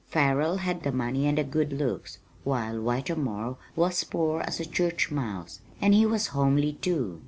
Farrell had the money and the good looks, while Whitermore was poor as a church mouse, and he was homely, too.